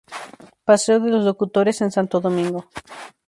Paseo de los Locutores en Santo Domingo.